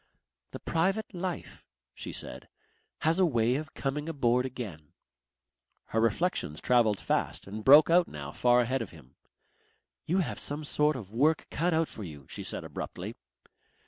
"The private life," she said, "has a way of coming aboard again." Her reflections travelled fast and broke out now far ahead of him. "You have some sort of work cut out for you," she said abruptly.